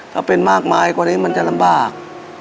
ถ้าเป็นมากมายกว่านี้มันจะลำบาก